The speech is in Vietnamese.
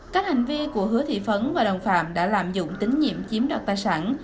các hành vi của hứa thị phấn và đồng phạm đã làm dụng tính nhiệm chiếm đoạt tài sản